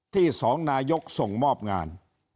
ที่สองนายกส่งมอบงาน